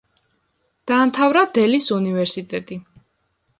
დაამთავრა დელის უნივერსიტეტი.